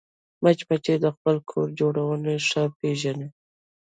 مچمچۍ د خپل کور جوړونه ښه پېژني